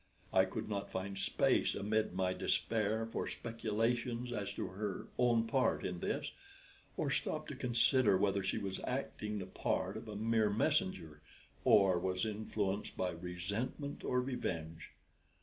I could not find space amid my despair for speculations as to her own part in this, or stop to consider whether she was acting the part of a mere messenger, or was influenced by resentment or revenge.